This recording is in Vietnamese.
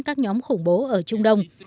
các nhóm khủng bố ở trung đông